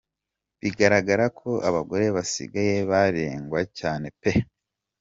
Bigaragara ko abagore basigaye barengwa cyane pe!.